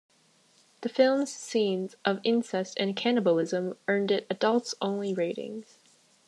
The film's scenes of incest and cannibalism earned it adults-only ratings.